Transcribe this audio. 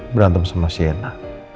berantem sama sienna